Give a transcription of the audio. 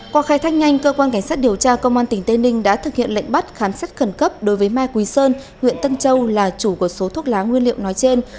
qua khai thác nhanh cơ quan cảnh sát điều tra công an tỉnh tây ninh đã thực hiện lệnh bắt khám xét khẩn cấp đối với mai quý sơn huyện tân châu là chủ của số thuốc lá nguyên liệu nói trên